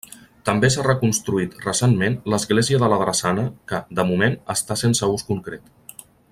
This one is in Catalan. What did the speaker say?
També s'ha reconstruït recentment l'església de la drassana que -de moment- està sense ús concret.